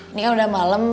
ini kan udah malem